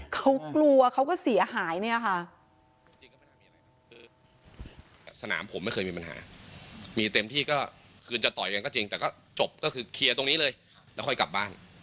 เขากลัวเขาก็เสียหายเนี่ยค่ะ